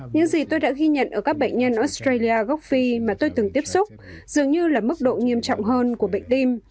những gì tôi đã ghi nhận ở các bệnh nhân australia gốc phi mà tôi từng tiếp xúc dường như là mức độ nghiêm trọng hơn của bệnh tim